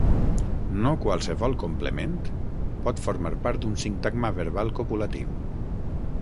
No qualsevol complement pot formar part d'un sintagma verbal copulatiu.